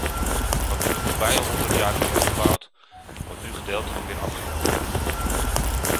Wat in de voorbije honderd jaar is opgebouwd, wordt nu gedeeltelijk weer afgebroken.